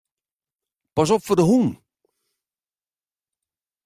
Pas op foar de hûn.